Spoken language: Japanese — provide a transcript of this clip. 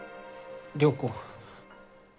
良子。